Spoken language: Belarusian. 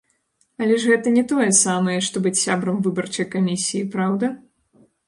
Але ж гэта не тое самае, што быць сябрам выбарчай камісіі, праўда?